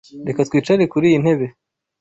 Reka twicare kuriyi ntebe.